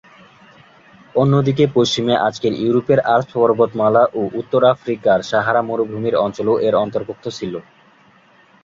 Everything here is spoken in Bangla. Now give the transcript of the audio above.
অন্যদিকে পশ্চিমে আজকের ইউরোপের আল্পস পর্বতমালা ও উত্তর আফ্রিকার সাহারা মরুভূমি অঞ্চলও এর অন্তর্ভুক্ত ছিল।